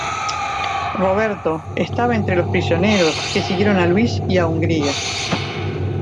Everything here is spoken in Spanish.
Roberto estaba entre los prisioneros que siguieron a Luis I a Hungría.